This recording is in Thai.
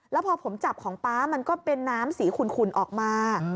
แล้วพอผมจับของป๊ามันก็เป็นน้ำสีขุ่นออกมา